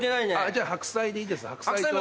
じゃあ白菜でいいです。